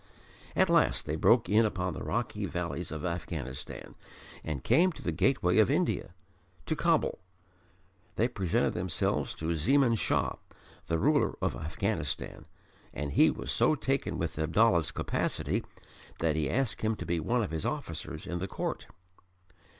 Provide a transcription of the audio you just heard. At last they broke in upon the rocky valleys of Afghanistan and came to the gateway of India to Kabul. They presented themselves to Zeman Shah, the ruler of Afghanistan, and he was so taken with Abdallah's capacity that he asked him to be one of his officers in the court.